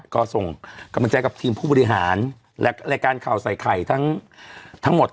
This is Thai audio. ก็ส่งกำลังใจกับทีมผู้บริหารและรายการข่าวใส่ไข่ทั้งหมด